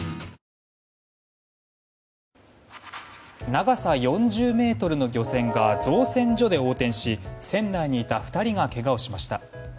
長さ４０ｍの漁船が造船所で横転し船内にいた２人がけがをしました。